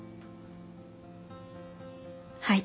はい。